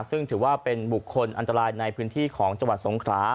ซึ่งถือว่าเป็นบุคคลอันตรายในพื้นที่ของจังหวัดสงครา